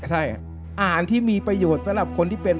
รายการต่อไปนี้เป็นรายการทั่วไปสามารถรับชมได้ทุกวัย